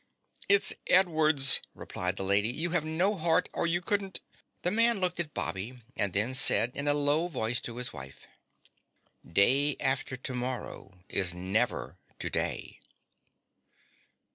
"It's Edward's," replied the Lady. "You have no heart or you couldn't. ..." The man looked at Bobby and then said in a low voice to his wife: "Day after tomorrow is never to day."